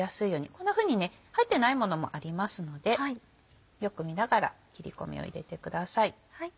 こんなふうに入ってないものもありますのでよく見ながら切り込みを入れてください。